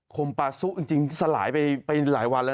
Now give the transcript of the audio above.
มปาซุจริงสลายไปหลายวันแล้ว